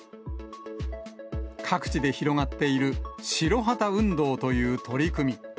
各地で広がっている白旗運動という取り組み。